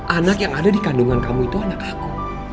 anak yang ada di kandungan kamu itu anak aku